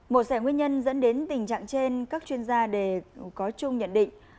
một sẽ nguyên nhân dẫn đến tình trạng trên các chuyên gia đề có chung nhận định